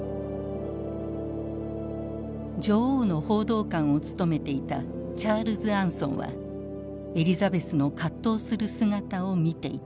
女王の報道官を務めていたチャールズ・アンソンはエリザベスの葛藤する姿を見ていた。